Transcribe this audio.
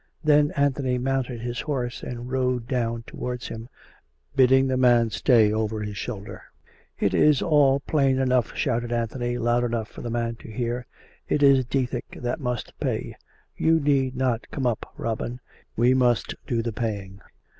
Then Anthony mounted his horse and rode down towards him, bidding the man stay, over his shoulder. " It is all plain enough," shouted Anthony loud enough for the man to hear. "It is Dethick that must pay. You need not come up, Robin; we must do the paying."